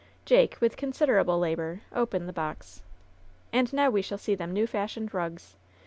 Jake, with considerable labor, opened the box. "And now we shall see them new fashioned rugs.